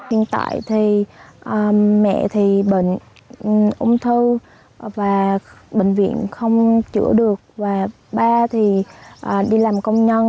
hiện tại thì mẹ thì bệnh ung thư và bệnh viện không chữa được và ba thì đi làm công nhân